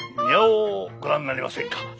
庭をご覧になりませぬか。